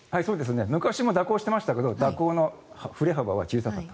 昔も蛇行していましたが蛇行の振れ幅は小さかった。